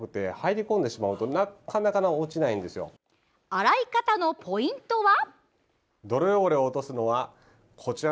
洗い方のポイントは？